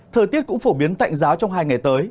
thời tiết cũng phổ biến tạnh giáo trong hai ngày tới